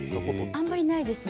あんまりないですね。